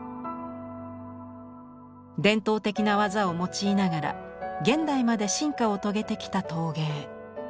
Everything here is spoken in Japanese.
伝統的な技を用いながら現代まで進化を遂げてきた陶芸。